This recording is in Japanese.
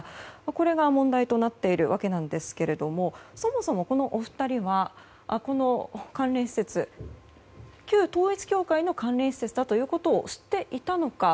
これが問題となっているわけですがそもそも、このお二人はこの関連施設旧統一教会の関連施設だということを知っていたのか。